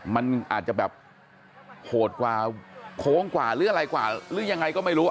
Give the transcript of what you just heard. มันอาจจะแบบโหดกว่าโค้งกว่าหรืออะไรกว่าหรือยังไงก็ไม่รู้